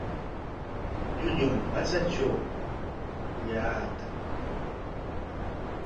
Llullum patsatraw llaatan.